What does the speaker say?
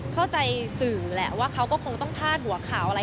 เข้าใจสื่อแหละว่าเขาก็คงต้องพาดหัวข่าวอะไร